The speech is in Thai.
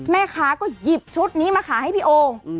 แม่ค้าก็หยิบชุดนี้มาขายให้พี่โอ่ง